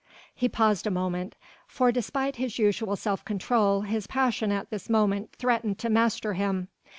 He paused a moment, for despite his usual self control his passion at this moment threatened to master him.